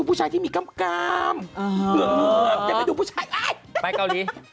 ไปเกาหลี